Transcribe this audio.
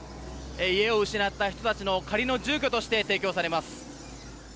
家を失った人たちの仮の住居として提供されます。